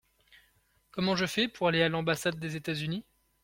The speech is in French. Comment je fais pour aller à l’ambassade des États-Unis ?